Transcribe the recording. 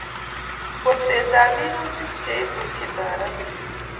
Kolset ab minutik Che imuchi maranet